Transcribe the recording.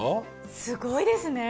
すごいですね。